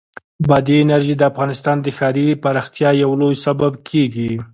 بادي انرژي د افغانستان د ښاري پراختیا یو لوی سبب کېږي.